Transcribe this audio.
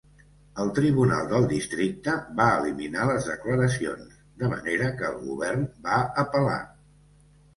El tribunal del districte va eliminar les declaracions, de manera que el Govern va apel·lar.